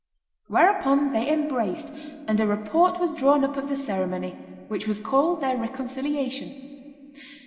Whereupon they embraced, and a report was drawn up of the ceremony, which was called their reconciliation.